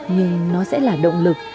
nhưng nó sẽ là động lực